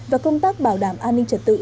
và công tác bảo đảm an ninh trật tự